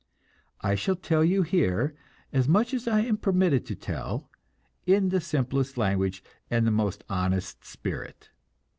I shall tell you here as much as I am permitted to tell, in the simplest language and the most honest spirit.